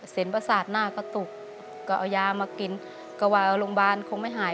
ประสาทหน้าก็ตกก็เอายามากินก็ว่าโรงพยาบาลคงไม่หาย